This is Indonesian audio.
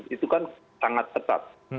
itu kan sangat tetap